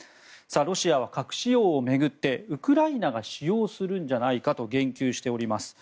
ロシアは核使用を巡ってウクライナが使用するんじゃないかと言及しております。